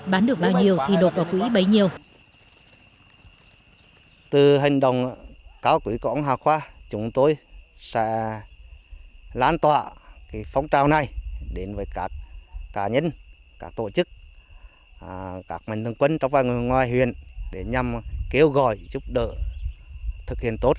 bán được bao nhiêu thì đột vào quỹ bấy nhiêu